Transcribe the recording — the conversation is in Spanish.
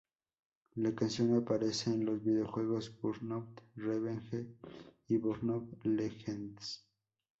La canción aparece en los videojuegos Burnout Revenge y Burnout Legends.